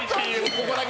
ここだけ。